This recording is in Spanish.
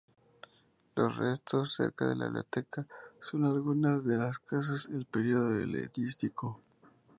Los restos cerca de la biblioteca, son algunas de las casas el período helenístico.